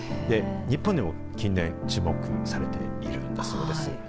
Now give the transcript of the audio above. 日本でも近年、注目されているんだそうです。